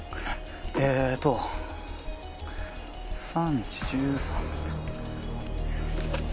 えっと３時１３分。